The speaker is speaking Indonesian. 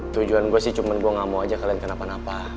tujuan gue sih cuma gue gak mau aja kalian kenapa napa